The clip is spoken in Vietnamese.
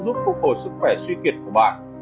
giúp phục hồi sức khỏe suy kiệt của bạn